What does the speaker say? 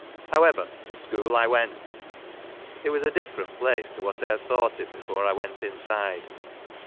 However, to school I went. It was a different place to what I had thought it before I went inside.